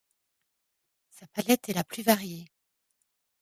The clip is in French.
Sa palette est la plus variée.